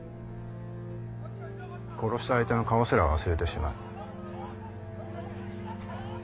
殺した相手の顔すら忘れてしまう。